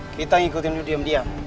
kita ngikutin dulu diam diam